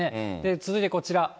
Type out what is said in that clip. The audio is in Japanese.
続いてこちら。